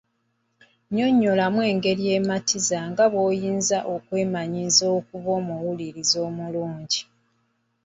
Nnyonnyola mu ngeri ematiza nga bw’oyinza okwemanyiiza okuba omuwuliriza omulungi.